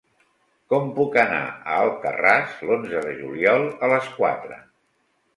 Com puc anar a Alcarràs l'onze de juliol a les quatre?